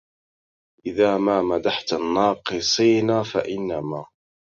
إذا ما مدحت الناقصين فإنما